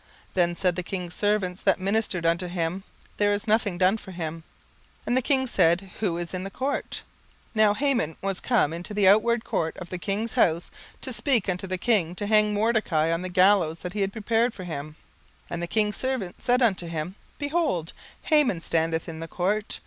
Then said the king's servants that ministered unto him, There is nothing done for him. 17:006:004 And the king said, Who is in the court? Now Haman was come into the outward court of the king's house, to speak unto the king to hang Mordecai on the gallows that he had prepared for him. 17:006:005 And the king's servants said unto him, Behold, Haman standeth in the court.